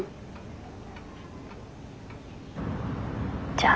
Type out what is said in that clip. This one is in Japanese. じゃあ。